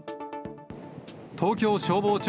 東京消防庁